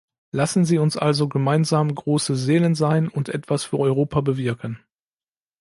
Lassen Sie uns also gemeinsam große Seelen sein und etwas für Europa bewirken.